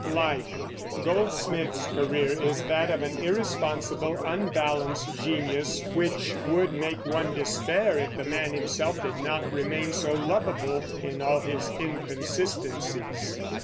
LIFE. Goldsmith's career is that of an irresponsible, unbalanced genius, which would make one despair if the man himself did not remain so lovable in all his inconsistencies.